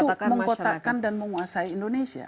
untuk mengkotakkan dan menguasai indonesia